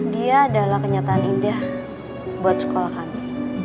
dia adalah kenyataan indah buat sekolah kami